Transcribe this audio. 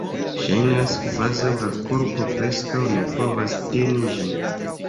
Ŝajnas, kvazaŭ la korpo preskaŭ ne povas teni ĝin.